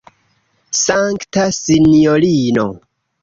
Sankta sinjorino!